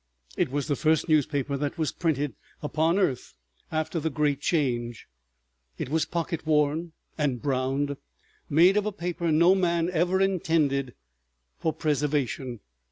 It was the first newspaper that was printed upon earth after the Great Change. It was pocket worn and browned, made of a paper no man ever intended for preservation.